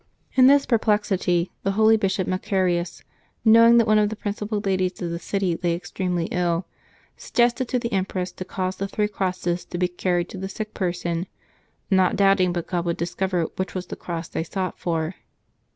In this perplexity the holy Bishop Macarius, knowing that one of the principal ladies of the city lay extremely ill, suggested to the empress to cause the three crosses to be carried to the sick person, not doubting but God would dis cover which was the cross they sought for.